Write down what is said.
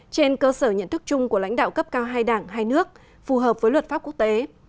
trên cơ sở nhận thức chung của lãnh đạo cấp cao hai đảng hai nước phù hợp với luật pháp quốc tế